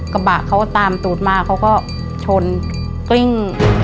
กระบะเขาตามตูดมาเขาก็ชนกลิ้ง